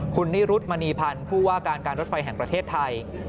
คุณนิรุธมณีพันธ์ผู้ว่าการการรถไฟแห่งประเทศไทย